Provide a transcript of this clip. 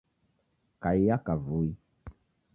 Kaia kavui